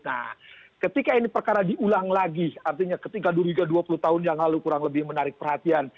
nah ketika ini perkara diulang lagi artinya ketika duriga dua puluh tahun yang lalu kurang lebih menarik perhatian